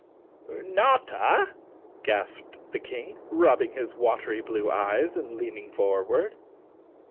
"Notta?" gasped the King, rubbing his watery blue eyes, and leaning forward.